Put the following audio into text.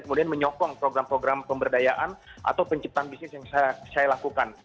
kemudian menyokong program program pemberdayaan atau penciptaan bisnis yang saya lakukan